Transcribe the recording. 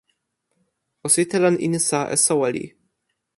o sitelen insa e soweli.